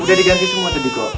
udah diganti semua tadi kok